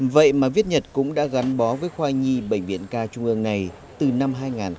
vậy mà viết nhật cũng đã gắn bó với khoai nhi bệnh viện ca trung ương này từ năm hai nghìn một mươi